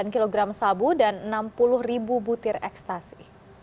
satu ratus empat belas sembilan kg sabu dan enam puluh ribu butir ekstasi